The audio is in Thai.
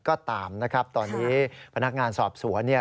ก็ตามนะครับตอนนี้พนักงานสอบสวนเนี่ย